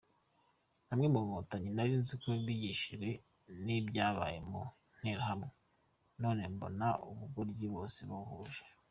Bamwe mu nkotanyi narinziko bigishijwe nibyabaye ku nterahamwe none mbona ubugoryi bose babuhuje.